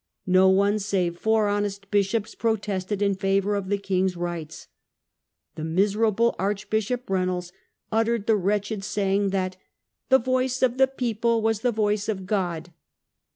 No one save four honest bishops protested in favour of the king's rights. The miserable Archbishop Reynolds uttered the wretched saying that " the voice of the people Deposition of was the voice of God".